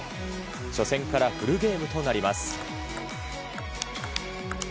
初戦からフルゲームとなります。